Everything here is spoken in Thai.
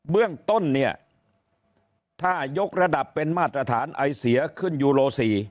เบื้องต้นเนี่ยถ้ายกระดับเป็นมาตรฐานไอเสียขึ้นยูโล๔